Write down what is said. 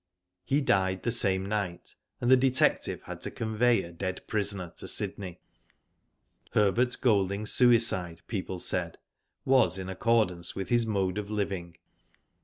He died the same night, and the detective had to convey a dead prisoner to Sydney. Herbert Golding's . suicide people said was in accordance with his mode of living.